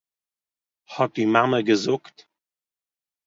האָט די מאַמע געזאָגט